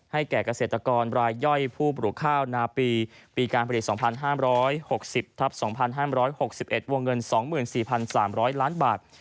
แก่เกษตรกรรายย่อยผู้ปลูกข้าวนาปีปีการผลิต๒๕๖๐ทับ๒๕๖๑วงเงิน๒๔๓๐๐ล้านบาท